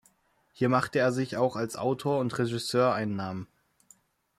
Hier machte er sich auch als Autor und Regisseur einen Namen.